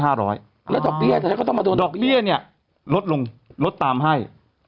แล้วดอกเบี้ยเนี่ยลดลงลดตามให้